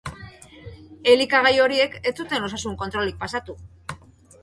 Elikagai horiek ez zuten osasun kontrolik pasatu.